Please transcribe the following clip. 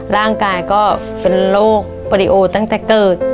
ร่างกายก็เป็นโรคปอริโอตั้งแต่เกิด